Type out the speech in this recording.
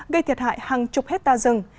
gây thiệt hại hàng chục hectare rừng